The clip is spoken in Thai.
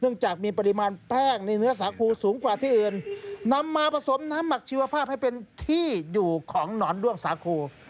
จากมีปริมาณแป้งในเนื้อสาคูสูงกว่าที่อื่นนำมาผสมน้ำหมักชีวภาพให้เป็นที่อยู่ของหนอนด้วงสาคู